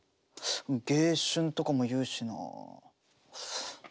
迎春とかも言うしなあ。